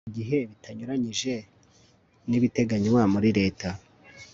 mu gihe bitanyuranyije n ibiteganywa muri leta